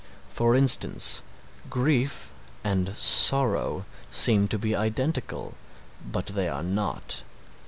For instance grief and sorrow seem to be identical, but they are not.